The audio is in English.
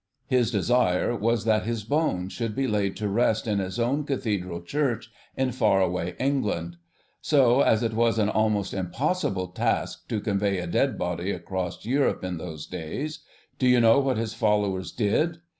His desire was that his bones should be laid to rest in his own Cathedral Church in far away England, so, as it was an almost impossible task to convey a dead body across Europe in those days, do you know what his followers did?